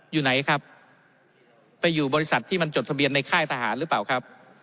อยู่ไหนครับไปอยู่บริษัทที่มันจดทะเบียนในค่ายทหารหรือเปล่าครับ